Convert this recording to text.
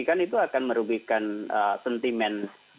kan itu akan merugikan sentimen